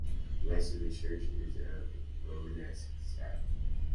The rest of the church is of a Romanesque style.